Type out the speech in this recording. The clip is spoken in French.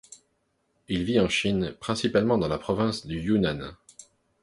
Il vit en Chine, principalement dans la province du Yunnan.